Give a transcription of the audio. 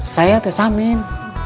saya tuh samin